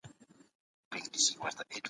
دا علم په وړو ډلو کې د خلګو چلند څېړي.